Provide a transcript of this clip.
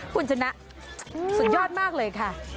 คุณชนะสุดยอดมากเลยค่ะ